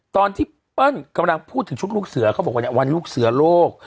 ตอนที่เปิ้ลกำลังพูดถึงชุดลูกเสือเขาบอกว่าเนี่ยวันลูกเสือโลก